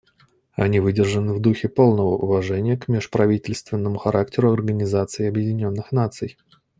Они выдержаны в духе полного уважения к межправительственному характеру Организации Объединенных Наций.